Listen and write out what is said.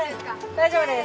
大丈夫です。